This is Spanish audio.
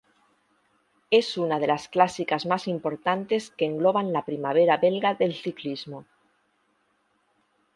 Es una de las clásicas más importantes que engloban la "primavera belga del ciclismo".